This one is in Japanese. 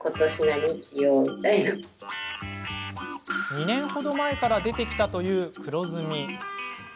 ２年ほど前から出てきたという黒ずみ。